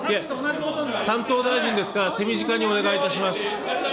担当大臣ですから、手短にお願いいたします。